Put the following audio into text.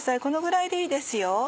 このぐらいでいいですよ。